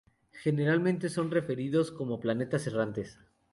Generalmente son referidos como planetas errantes.